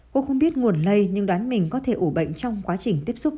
cô không biết nguồn lây nhưng đoán mình có thể ủ bệnh trong quá trình tiếp xúc